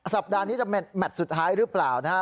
สัปดาห์นี้จะแมทสุดท้ายหรือเปล่านะฮะ